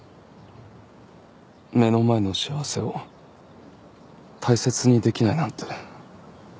目の前の幸せを大切にできないなんて。